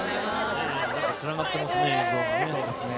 つながってますね、映像もね。